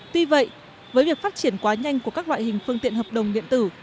tuy vậy với việc phát triển quá nhanh của các loại hình phương tiện hợp đồng điện tử